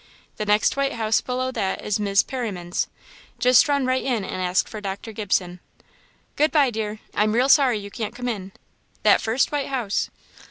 the next white house below that is Mis' Perriman's; just run right in and ask for Dr. Gibson. Good bye, dear I'm real sorry you can't come in that first white house."